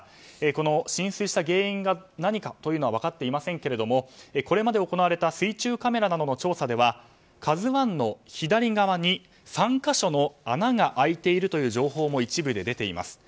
この浸水した原因が何か分かっていませんがこれまで行われた水中カメラなどの調査では「ＫＡＺＵ１」の左側に３か所の穴が開いているという情報も一部で出ています。